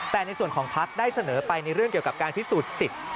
แต่ในส่วนของพักได้เสนอไปในเรื่องเกี่ยวกับการพิสูจน์สิทธิ์